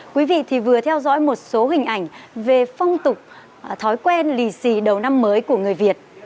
quý vị vừa theo dõi một số hình ảnh về phong tục thói quen lì xì đầu năm mới của người việt